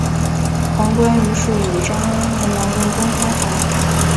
黄绾于是与张璁的矛盾公开化了。